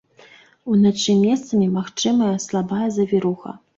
Уначы месцамі магчымая слабая завіруха.